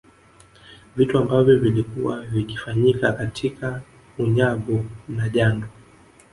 Vitu ambavyo vilikuwa vikifanyika katika unyago na jando